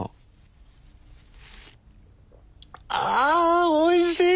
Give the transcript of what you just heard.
ああおいしい！